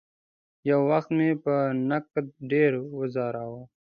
یو وخت مې پر نقد ډېر وځوراوه.